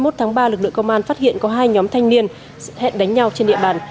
tháng ba lực lượng công an phát hiện có hai nhóm thanh niên hẹn đánh nhau trên địa bàn